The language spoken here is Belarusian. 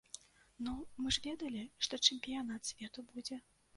Ну, мы ж ведалі, што чэмпіянат свету будзе.